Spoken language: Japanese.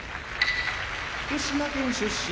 福島県出身